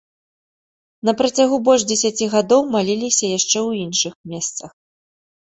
На працягу больш дзесяці гадоў маліліся яшчэ ў іншых месцах.